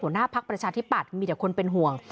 หัวหน้าภักดิ์ประชาธิปัตย์มีแต่คนเป็นห่วง